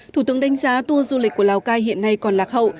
thủ tướng đánh giá tour du lịch của lào cai hiện nay còn lạc hậu